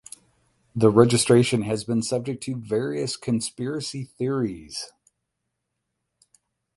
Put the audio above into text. The registration has been subject to various conspiracy theories.